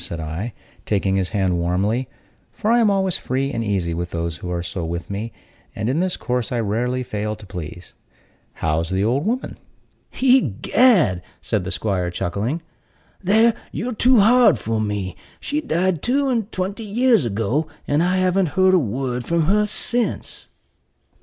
said I, taking his hand warmly (for I am always free and easy with those who are so with me; and in this course I rarely fail to please). "How's the old woman?" "Egad," said the 'squire, chuckling, "there you're too hard for me; for she died two and twenty years ago, and I haven't heard a word from her since."